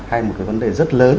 hay một cái vấn đề rất lớn